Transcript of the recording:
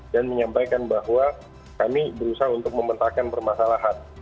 dan menyampaikan bahwa kami berusaha untuk memetakan permasalahan